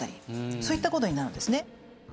そういった事になるんですね。